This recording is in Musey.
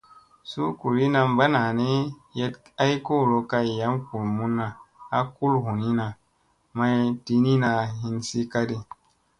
Suu kuliina banani yeɗ ay kolo kay yam gulmunna a kul hunina may diniina hinsi kadi.